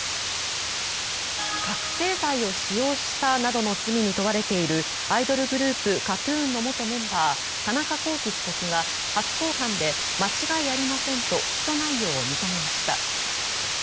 覚醒剤を使用したなどの罪に問われているアイドルグループＫＡＴ−ＴＵＮの元メンバー田中聖被告が初公判で間違いありませんと起訴内容を認めました。